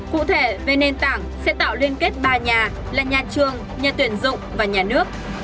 cụ thể về nền tảng sẽ tạo liên kết ba nhà là nhà trường nhà tuyển dụng và nhà nước